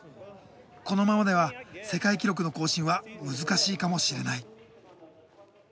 このままでは世界記録の更新は難しいかもしれない。